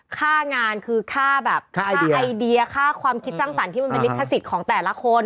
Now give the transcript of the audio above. ค่างานคือค่าแบบค่าไอเดียค่าความคิดสร้างสรรค์ที่มันเป็นลิขสิทธิ์ของแต่ละคน